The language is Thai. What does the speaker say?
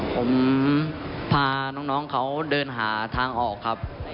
ผมพาน้องเขาเดินหาทางออกครับ